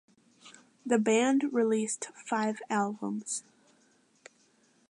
The band released five albums.